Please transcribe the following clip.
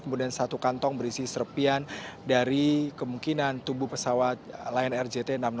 kemudian satu kantong berisi serpian dari kemungkinan tubuh pesawat lion air jt enam ratus sepuluh